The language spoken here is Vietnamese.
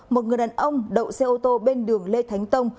một người đàn ông đậu xe ô tô bên đường lê thánh tông